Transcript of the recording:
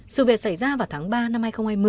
sự việc xảy ra vào tháng ba năm hai nghìn hai mươi